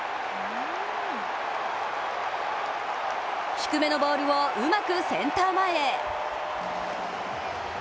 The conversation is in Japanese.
低めのボールをうまくセンター前へ。